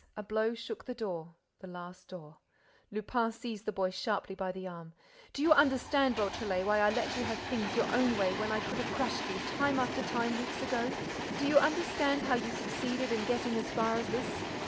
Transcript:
A blow shook the door, the last door— Lupin seized the boy sharply by the arm: "Do you understand, Beautrelet, why I let you have things your own way when I could have crushed you, time after time, weeks ago? Do you understand how you succeeded in getting as far as this?